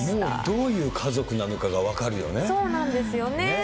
どういう家族なのかが分かるそうなんですよね。